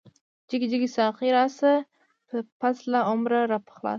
جګی جګی ساقی راشه، پس له عمره راپخلا شه